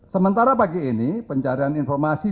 sementara pagi ini pencarian informasi